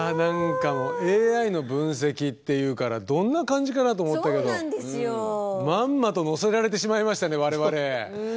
ＡＩの分析っていうからどんな感じかなと思ったけどまんまと乗せられてしまいましたね我々。